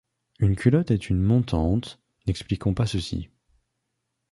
Une culotte est une montante ; n’expliquons pas ceci.